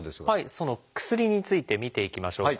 その薬について見ていきましょう。